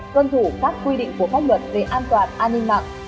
tuân thủ các quy định của pháp luật về an toàn an ninh mạng